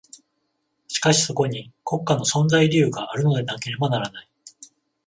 しかしそこに国家の存在理由があるのでなければならない。